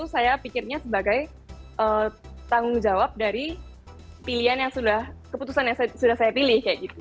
saya pikirnya sebagai tanggung jawab dari keputusan yang sudah saya pilih